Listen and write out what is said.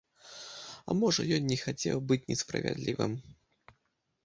А можа, ён не хацеў быць несправядлівым.